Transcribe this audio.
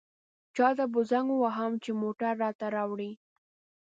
چاته به زنګ ووهم چې موټر راته راوړي.